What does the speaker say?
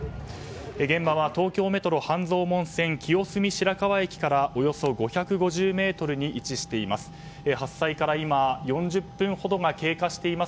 現場は東京メトロ半蔵門線清澄白河駅からおよそ５５０ｍに位置しています。